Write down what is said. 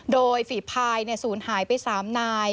โดยฝีภายสูญหายไป๓นาย